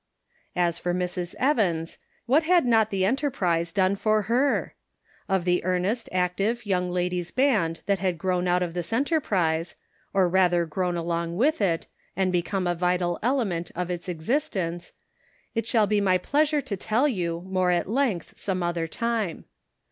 As for Mrs. Evans, what had not the enter prise done for her? Of the earnest, active Young Ladies' Band that had grown out of this enterprise, or rather grown along with it, and become a vital element of its existence, it shall be my pleasure to tell you, more at length, some other time.